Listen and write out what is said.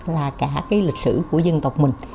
là cả lịch sử của dân tộc mình